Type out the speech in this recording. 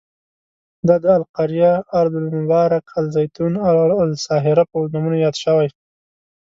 دا د القریه، ارض المبارک، الزیتون او الساهره په نومونو یاد شوی.